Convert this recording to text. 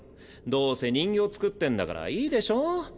どうせ人形作ってんだからいいでしょ？